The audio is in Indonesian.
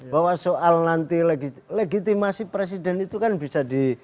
bahwa soal nanti legitimasi presiden itu kan bisa di